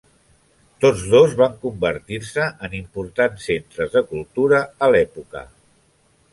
Tots dos van convertir-se en importants centres de cultura a l'època.